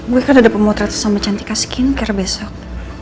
gue kan udah dapet motret sama cantika skincare besok